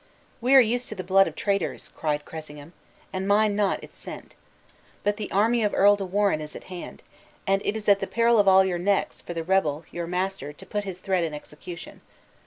"We are used to the blood of traitors," cried Cressingham, "and mind not its scent. But the army of Earl de Warenne is at hand; and it is at the peril of all your necks, for the rebel, your master, to put his threat in execution.